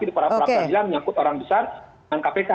jadi pra praperadilan yang menyambut orang besar dan kpk